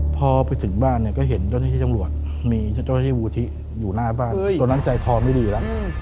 พ่อพอไปถึงบ้านเนี่ยก็เห็นเจ้าท่าเชี่ยจังหลวดมีเจ้าท่าเชี่ยวูธิอยู่หน้าบ้านตัวนั้นใจทอมไม่ดีแล้ว